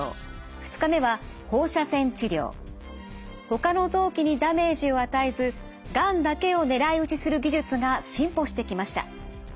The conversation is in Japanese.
ほかの臓器にダメージを与えずがんだけを狙い撃ちする技術が進歩してきました。